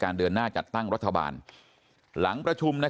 ขอบคุณเลยนะฮะคุณแพทองธานิปรบมือขอบคุณเลยนะฮะ